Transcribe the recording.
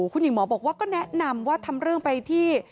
คุณหญิงหมอบอกว่าก็แนะนำว่าทำเรื่องไปที่